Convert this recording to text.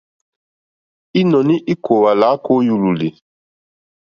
Ínɔ̀ní íkòòwà lǎkà ó yúlòlì.